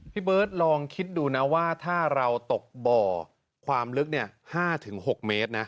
พี่เบิร์ตลองคิดดูนะว่าถ้าเราตกบ่อความลึก๕๖เมตรนะ